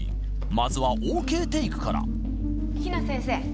まずはＯＫテイクから比奈先生